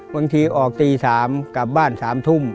บางทีออกตี๓กลับบ้าน๓ทุ่ม